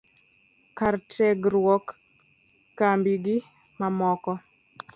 kar tiegruok, kambi, gi mamoko